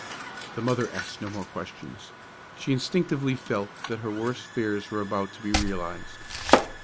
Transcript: The mother asked no more questions. She instinctively felt that her worst fears were about to be realized.